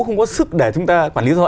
không có sức để chúng ta quản lý rõ